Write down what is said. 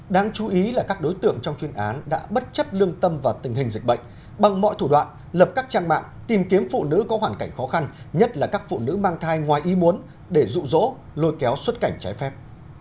đáng chú ý là các đối tượng trong chuyên án đã bất chấp lương tâm vào tình hình dịch bệnh bằng mọi thủ đoạn lập các trang mạng tìm kiếm phụ nữ có hoàn cảnh khó khăn nhất là các phụ nữ mang thai ngoài ý muốn để dụ dỗ lôi kéo xuất cảnh trái phép